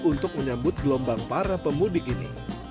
untuk menyambut gelombang para pemudik ini